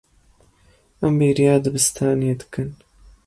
Em bêriya dibistanê dikin.